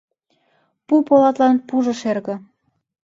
Пу полатлан пужо шерге